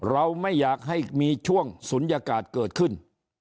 เราไม่อยากให้มีช่วงศูนยากาศเกิดขึ้น